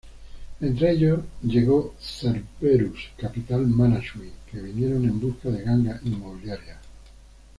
Entre ellos llegó Cerberus Capital Management, que vinieron en busca de gangas inmobiliarias.